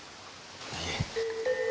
いえ。